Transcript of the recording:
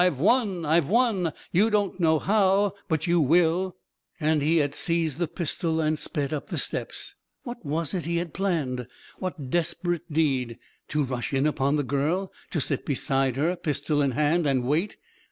. 11 I've won ! I've won I You don't know how — but you will I " A KING IN BABYLON 379 And he had seized the pistol and sped up the steps .•. What was it he had planned? What desperate deed ? To rush in upon the girl ■— to sit beside her, pistol in hand, and wait •